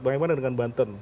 bagaimana dengan banten